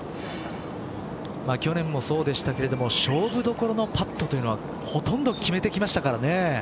去年もそうでしたけど勝負どころのパットはほとんど決めてきましたからね。